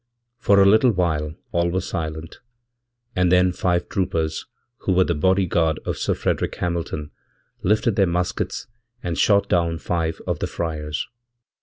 For a little while all was silent, and then five trooperswho were the body guard of Sir Frederick Hamilton lifted theirmuskets, and shot down five of the friars.